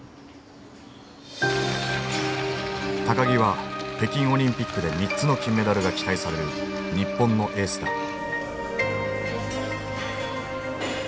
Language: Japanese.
木は北京オリンピックで３つの金メダルが期待される日本のエースだ。